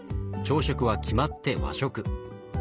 朝食は決まって和食。